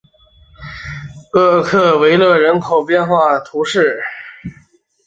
厄克维勒人口变化图示